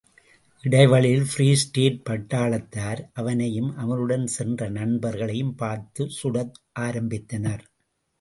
இடைவழியில் free state பட்டாளத்தார் அவனையும் அவனுடன் சென்ற நண்பர்களையும் பார்த்து சுட ஆரம்பித்தனர்.